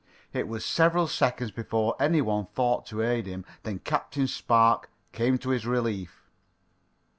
It was several seconds before any one thought to aid him. Then Captain Spark came to his relief.